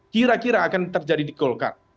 kira kira akan terjadi di golkar